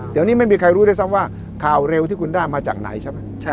เดี๋ยวนี้ไม่มีใครรู้ด้วยซ้ำว่าข่าวเร็วที่คุณได้มาจากไหนใช่ไหม